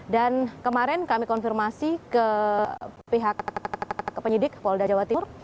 dan kemarin kami konfirmasi ke pihak penyidik polda jawa timur